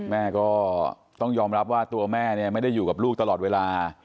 แม่ก็ต้องยอมรับว่าตัวแม่เนี่ยไม่ได้อยู่กับลูกตลอดเวลา